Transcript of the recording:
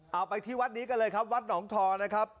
เอาไปที่วัดนี้กันเลยครับวัดหนองทอนะครับ